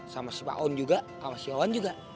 sama si pak on juga sama si owen juga